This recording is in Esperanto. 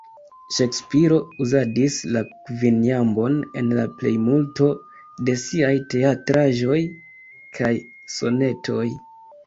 Ŝekspiro uzadis la kvinjambon en la plejmulto de siaj teatraĵoj kaj sonetoj.